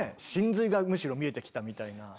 神髄がむしろ見えてきたみたいな。